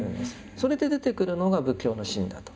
それで出てくるのが仏教の信だと。